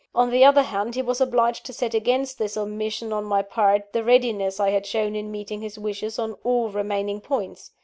On the other hand, he was obliged to set against this omission on my part, the readiness I had shown in meeting his wishes on all remaining points.